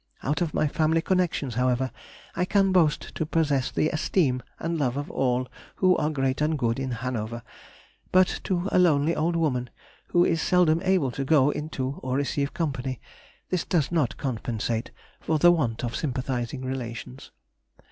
Out of my family connections, however, I can boast to possess the esteem and love of all who are great and good in Hanover, but to a lonely old woman, who is seldom able to go into or receive company, this does not compensate for the want of sympathising relations.